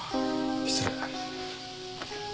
失礼。